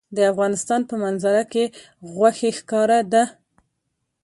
د افغانستان په منظره کې غوښې ښکاره ده.